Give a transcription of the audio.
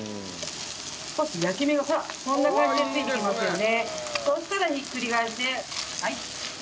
少し焼き目がほらこんな感じでついてきますよね。